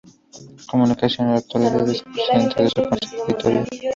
Comunicación" y en la actualidad es el presidente de su consejo editorial.